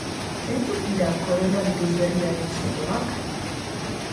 Zeintzuk dira koronabirus berriaren sintomak?